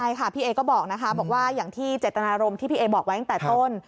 ใช่ค่ะพี่เอก็บอกนะคะบอกว่าอย่างที่เจตนารมณ์ที่พี่เอบอกไว้ตั้งแต่ต้น